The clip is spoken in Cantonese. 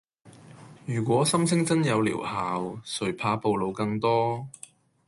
如果心聲真有療效，誰怕暴露更多